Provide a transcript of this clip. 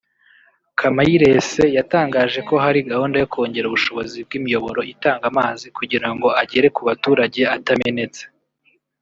Kamayirese yatangaje ko hari gahunda yo kongera ubushobozi bw’imiyoboro itanga amazi kugira ngo agere ku baturage atamenetse